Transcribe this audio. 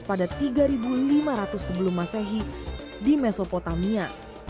pada tiga ribu lima ratus sebelum masehi di mesopotamia